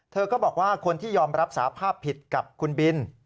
เธอก็บอกว่าคนที่ยอมรับสาภาพผิดกับคุณบิน